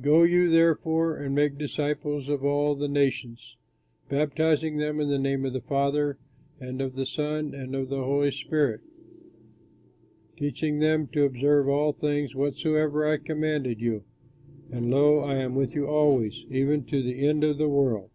Go you, therefore, and make disciples of all the nations, baptizing them in the name of the Father and of the Son and of the Holy Spirit, teaching them to observe all things whatsoever I commanded you; and, lo, I am with you always, even to the end of the world."